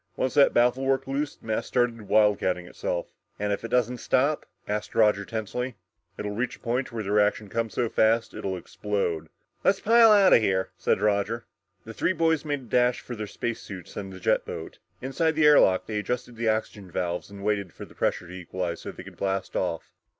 Once that baffle worked loose, the mass started wildcatting itself." "And if it doesn't stop?" asked Roger tensely. "It'll reach a point where the reaction comes so fast it'll explode!" "Let's pile out of here!" said Roger. The three boys made a dash for their space suits and the jet boat. Inside the air lock, they adjusted their oxygen valves and waited for pressure to equalize so they could blast off.